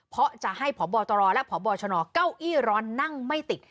เพราะจะให้พบตรและพบชนเก้าอี้ร้อนนั่งไม่ติด